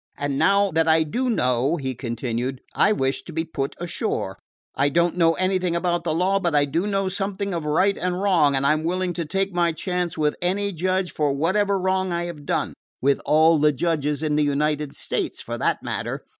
"And now that I do know," he continued, "I wish to be put ashore. I don't know anything about the law, but I do know something of right and wrong; and I 'm willing to take my chance with any judge for whatever wrong I have done with all the judges in the United States, for that matter.